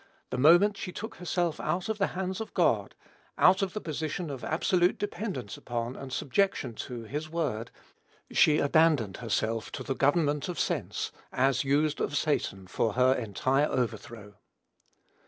The moment she took herself out of the hands of God, out of the position of absolute dependence upon, and subjection to, his word, she abandoned herself to the government of sense, as used of Satan for her entire overthrow.